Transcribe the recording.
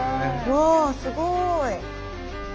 わあすごい。